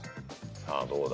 さあどうだ？